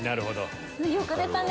よく出たね！